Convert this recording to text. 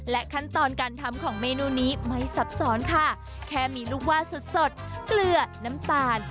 ขั้นตอนการทำของเมนูนี้ไม่ซับซ้อนค่ะแค่มีลูกว่าสดสดเกลือน้ำตาล